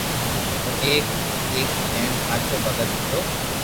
او ايڪ نيڪ ھين ھاچو ڀگت ھتو